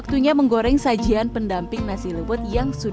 kandungan gizi dan salur itu